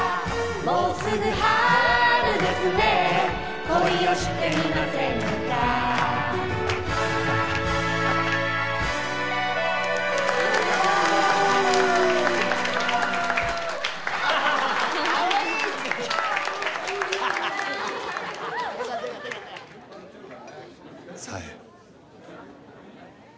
「もうすぐ春ですね恋をしてみませんか」さえ。